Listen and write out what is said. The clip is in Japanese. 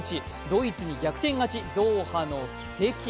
ドイツに逆転勝ち、ドーハの奇跡。